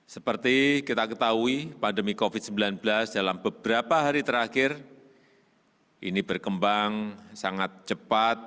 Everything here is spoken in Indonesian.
seperti kita ketahui pandemi covid sembilan belas dalam beberapa hari terakhir ini berkembang sangat cepat